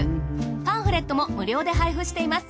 パンフレットも無料で配布しています。